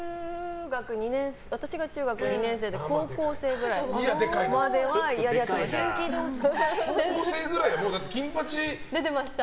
私が中学２年生で高校生ぐらいまではやり合ってました。